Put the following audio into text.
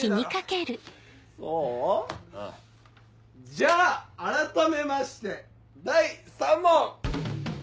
じゃああらためまして第３問！